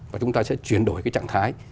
và chúng ta sẽ chuyển đổi cái trạng thái